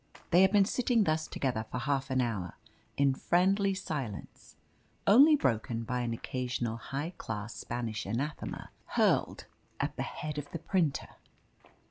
They had been sitting thus together for half an hour in friendly silence, only broken by an occasional high class Spanish anathema hurled at the head of the printer.